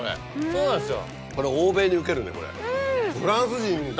そうなんですよ。